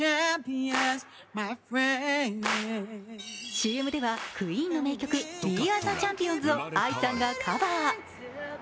ＣＭではＱＵＥＥＮの名曲「ＷｅＡｒｅｔｈｅＣｈａｍｐｉｏｎｓ」をＡＩさんがカバー。